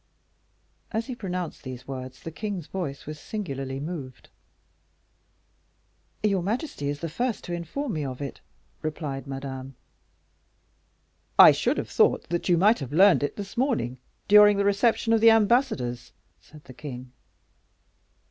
As he pronounced these words, the king's voice was singularly moved. "Your majesty is the first to inform me of it," replied Madame. "I should have thought that you might have learned it this morning, during the reception of the ambassadors," said the king.